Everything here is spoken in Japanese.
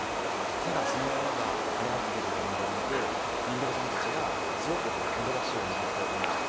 ただその山が荒れ果てている現状を見て林業家さんたちがすごくもどかしい思いをされていました。